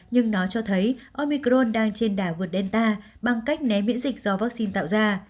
nhưng nó cho thấy omicron đang trên đà vượt delta bằng cách né miễn dịch do vaccine tạo ra